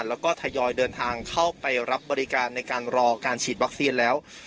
แล้วก็ทยอยเดินทางเข้าไปรับบริการในการรอการฉีดวัคซีนแล้ว